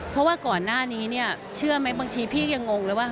เพราะว่าก่อนหน้านี้เนี่ยเชื่อไหมบางทีพี่ยังงงเลยว่า